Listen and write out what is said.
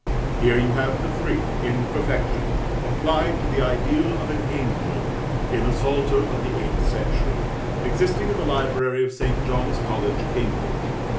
Here you have the three, in perfection, applied to the ideal of an angel, in a psalter of the eighth century, existing in the library of St. John's College, Cambridge.